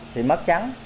thì mất trắng